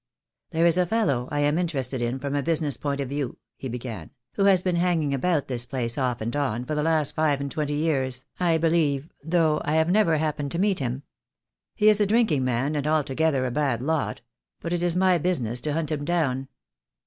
"There is a fellow I am interested in from a business point of view," he began, "who has been hanging about this place, off and on, for the last hve and twenty years, I believe, though I have never happened to meet him. He is a drinking man, and altogether a bad lot; but it is my business to hunt him down."